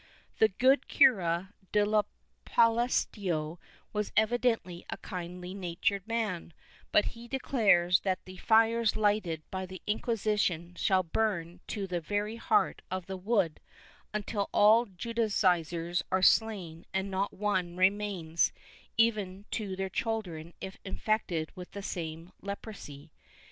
The good Cura de los Palacios was evidently a kindly natured man, but he de clares that the fires lighted by the Inquisition shall burn to the very heart of the wood, until all Judaizers are slain and not one remains, even to their children if infected with the same leprosy.